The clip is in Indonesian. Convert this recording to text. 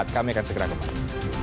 kami akan segera kembali